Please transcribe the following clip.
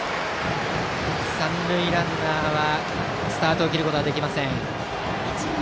三塁ランナーはスタートを切ることができません。